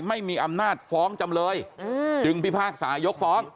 ไม่มีอำนาจฟ้องจำเลยจึงพิพากษายกฟ้อง